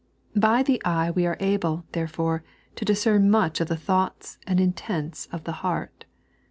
By the eye we are able, therefore, to discern much of the thoughts and intents of the heart.